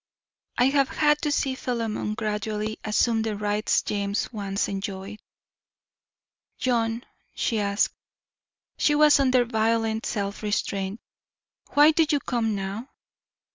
"I have had to see Philemon gradually assume the rights James once enjoyed." "John," she asked, she was under violent self restraint, "why do you come now?"